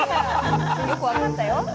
よく分かったよ。